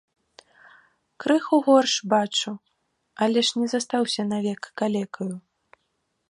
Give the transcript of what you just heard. Крыху горш бачу, але ж не застаўся навек калекаю.